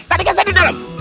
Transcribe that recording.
tadi kan saya di dalam